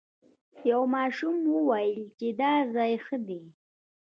یو ماشوم وویل چې دا ځای ښه دی.